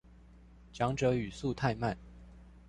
講者語速太慢